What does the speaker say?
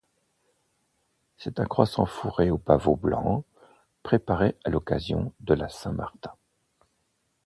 C’est un croissant fourré au pavot blanc, préparé à l’occasion de la Saint-Martin.